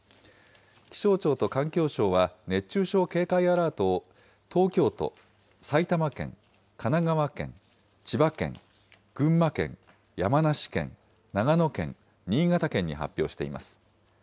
気象庁と環境省は、熱中症警戒アラートを東京都、埼玉県、神奈川県、千葉県、群馬県、山梨県、長野県、新潟県に発表しています。